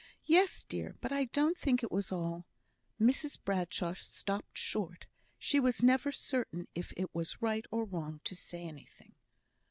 "Yes, dear; but I don't think it was all " Mrs Bradshaw stopped short. She was never certain if it was right or wrong to say anything.